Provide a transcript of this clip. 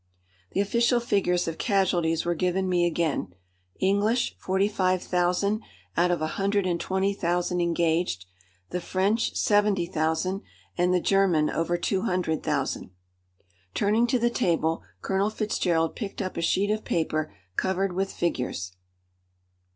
The official figures of casualties were given me again: English forty five thousand out of a hundred and twenty thousand engaged; the French seventy thousand, and the German over two hundred thousand. Turning to the table, Colonel Fitzgerald picked up a sheet of paper covered with figures.